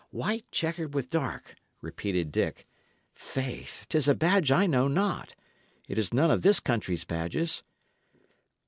"White, chequered with dark," repeated Dick. "Faith, 'tis a badge I know not. It is none of this country's badges.